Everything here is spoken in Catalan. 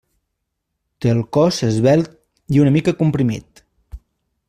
Té el cos esvelt i una mica comprimit.